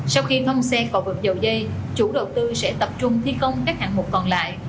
sau khi thông xe vào vực dầu dây chủ đầu tư sẽ tập trung thi công các hạng mục còn lại